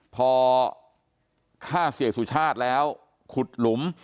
พอฆ่าเสียสุชาติแล้วขุดหลุม